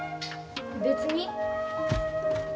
別に。